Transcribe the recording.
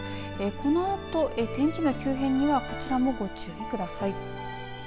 このあと天気の急変にはこちらもご注意ください。